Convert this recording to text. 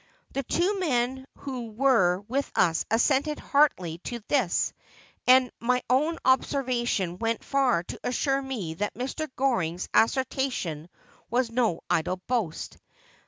' The two men who were with us assented heartily to this, and my o*n observation went far to assure me that Mr. Goring's assertion was no idle boast.